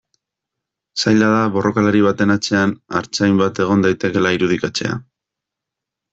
Zaila da borrokalari baten atzean artzain bat egon daitekeela irudikatzea.